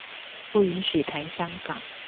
不允許談香港